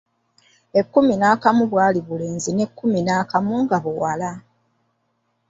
Ekkumi n'akamu bwali bulenzi n'ekkumi n'akamu nga buwala.